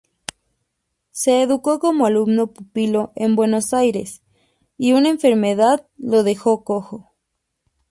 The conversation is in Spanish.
Se educó como alumno pupilo en Buenos Aires, y una enfermedad lo dejó cojo.